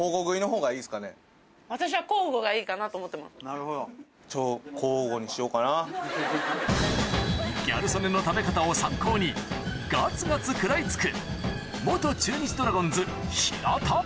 ・なるほど・ギャル曽根の食べ方を参考にガツガツ食らい付く